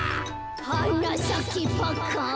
「はなさけパッカン」